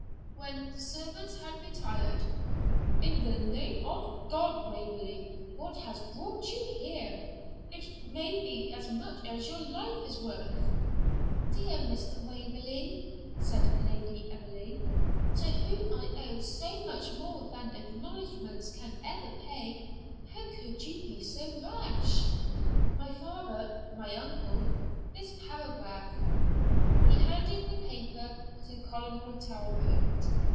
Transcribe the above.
When the servants had retired, 'In the name of God, Waverley, what has brought you here? It may be as much as your life is worth.' 'Dear Mr. Waverley,' said Lady Emily, 'to whom I owe so much more than acknowledgments can ever pay, how could you be so rash?' 'My father my uncle this paragraph,' he handed the paper to Colonel Talbot.